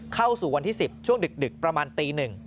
เข้าสู่วันที่๑๐ช่วงดึกประมาณตี๑